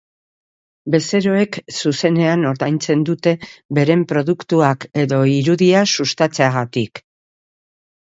Bezeroek zuzenean ordaintzen dute beren produktuak edo irudia sustatzeagatik.